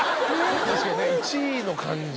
確かにね１位の感じ。